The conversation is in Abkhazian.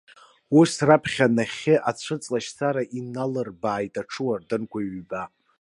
Ус, раԥхьа нахьхьи ацәыҵлашьцара иналырбааит аҽыуардынқәа ҩба.